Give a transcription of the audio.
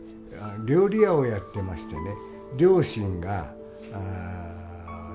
料理屋をやってましてね